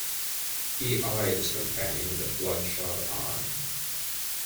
He eyed his companion with a bloodshot eye.